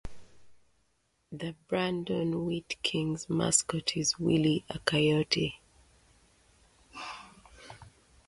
The Brandon Wheat Kings mascot is Willie, a coyote.